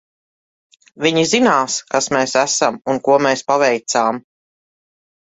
Viņi zinās, kas mēs esam un ko mēs paveicām.